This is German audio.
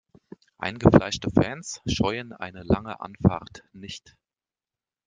Eingefleischte Fans scheuen eine lange Anfahrt nicht.